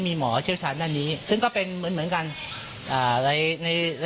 ลีเวชเท่านั้นยังเหมือนคนนั้น